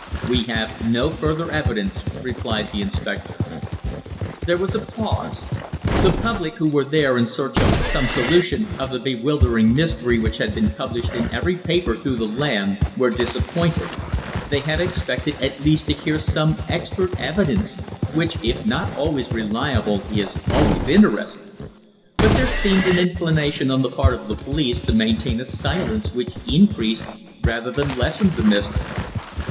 "We have no further evidence," replied the inspector. There was a pause. The public who were there in search of some solution of the bewildering mystery which had been published in every paper through the land, were disappointed. They had expected at least to hear some expert evidence which, if not always reliable, is always interesting. But there seemed an inclination on the part of the police to maintain a silence which increased rather than lessened the mystery.